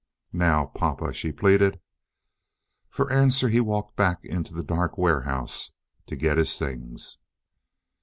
"Now, papa?" she pleaded. For answer he walked back into the dark warehouse to get his things.